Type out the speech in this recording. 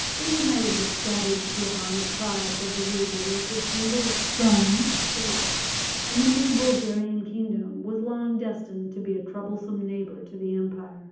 They united the scattered Slavonic tribes of the region into a single strong state, and the new Bulgarian kingdom was long destined to be a troublesome neighbour to the empire.